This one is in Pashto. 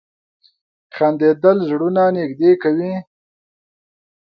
• خندېدل زړونه نږدې کوي.